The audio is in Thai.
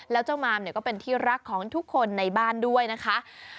แล้วเจ้ามามเนี่ยก็เป็นที่รักของทุกคนในบ้านด้วยนะคะ